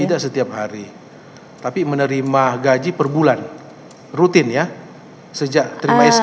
tidak setiap hari tapi menerima gaji per bulan rutin ya sejak terima kasih